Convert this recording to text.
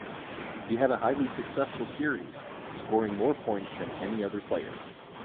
He had a highly successful series, scoring more points than any other player.